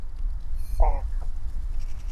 Ssiɛqa!